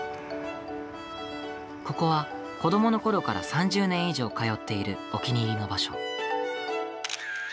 ここは子どものころから３０年以上通っているお気に入りの場所。